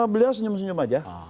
beliau senyum senyum aja